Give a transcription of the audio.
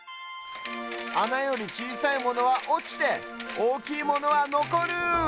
あなよりちいさいものはおちておおきいものはのこる！